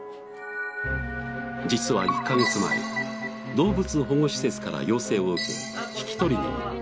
実は１カ月前動物保護施設から要請を受け引き取りに行った。